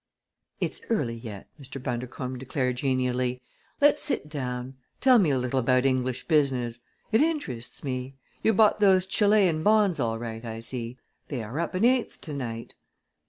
"It's early yet," Mr. Bundercombe declared genially. "Let's sit down. Tell me a little about English business. It interests me. You bought those Chilean bonds all right, I see. They are up an eighth to night."